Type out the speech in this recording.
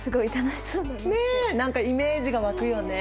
ねえ何かイメージが湧くよね。